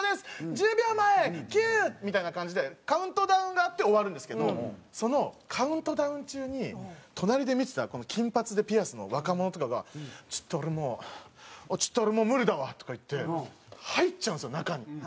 「１０秒前９」みたいな感じでカウントダウンがあって終わるんですけどそのカウントダウン中に隣で見てた金髪でピアスの若者とかが「ちょっと俺もうちょっと俺もう無理だわ」とか言って入っちゃうんですよ中に。